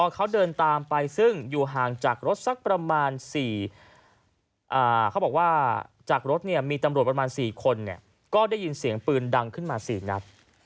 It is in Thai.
๔คนก็ได้ยินเสียงปืนดังขึ้นมา๔นัด